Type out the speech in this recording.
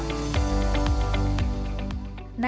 jadi aku pakai foundation aja